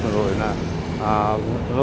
rồi lôi kéo nhau